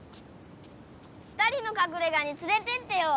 ２人のかくれがにつれてってよ。